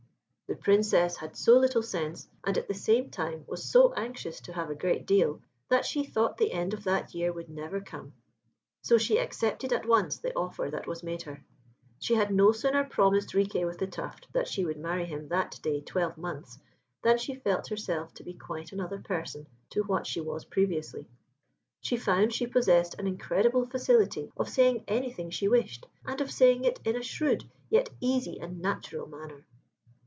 The Princess had so little sense, and at the same time was so anxious to have a great deal, that she thought the end of that year would never come; so she accepted at once the offer that was made her. She had no sooner promised Riquet with the Tuft that she would marry him that day twelve months, than she felt herself to be quite another person to what she was previously. She found she possessed an incredible facility of saying anything she wished, and of saying it in a shrewd, yet easy and natural manner.